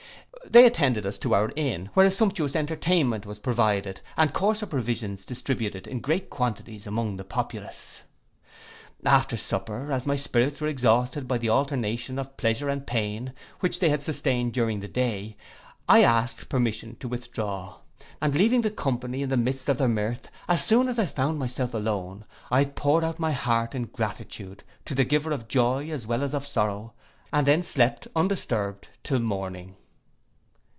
They attended us to our inn, where a sumptuous entertainment was provided, and coarser provisions distributed in great quantities among the populace. After supper, as my spirits were exhausted by the alternation of pleasure and pain which they had sustained during the day, I asked permission to withdraw, and leaving the company in the midst of their mirth, as soon as I found myself alone, I poured out my heart in gratitude to the giver of joy as well as of sorrow, and then slept undisturbed till morning.